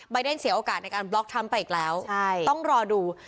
เดนเสียโอกาสในการบล็อกทรัมป์ไปอีกแล้วต้องรอดู